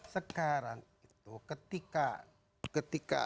sekarang itu ketika